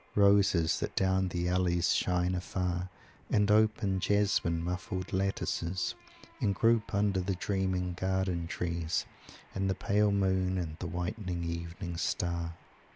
Roses that down the alleys shine afar, And open Jasmin muffled lattices, And groups under the dreaming garden trees, And the pale Moon and the white Evening Star."